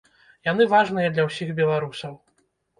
Яны важныя для ўсіх беларусаў.